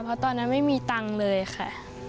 เพราะตอนนั้นไม่มีตังค์เลยค่ะ